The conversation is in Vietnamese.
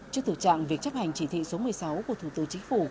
trước thực trạng việc chấp hành chỉ thị số một mươi sáu của thủ tướng chính phủ